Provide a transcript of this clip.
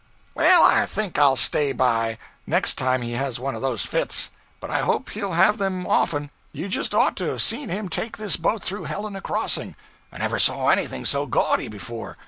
'Well, I think I'll stay by, next time he has one of those fits. But I hope he'll have them often. You just ought to have seen him take this boat through Helena crossing. I never saw anything so gaudy before.